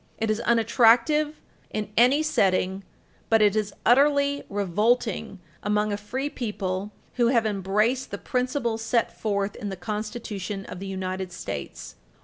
It is unattractive in any setting, but it is utterly revolting among a free people who have embraced the principles set forth in the Constitution of the United States.